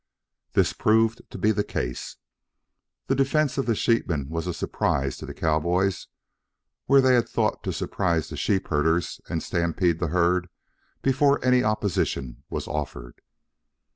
This proved to be the case. The defense of the sheepmen was a surprise to the cowboys, where they had thought to surprise the sheep herders and stampede the herd before any opposition was offered.